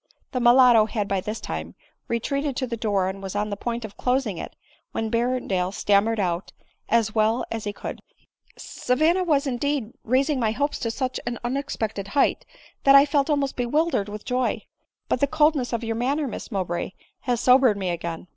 The mulatto had by this time retreated to the door, and was on the point of closing it, when Berrendale stam mered out, as well as he could, '* Savanna was, indeed, raising my hopes to such an unexpected height, that I felt almost bewildered with joy ; but the coldness of your manner, Miss Mowbray, has sobered me again."